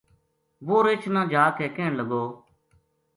وہ رچھ نا جا کے کہن لگو